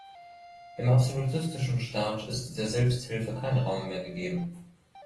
Im absolutistischen Staat ist der Selbsthilfe kein Raum mehr gegeben.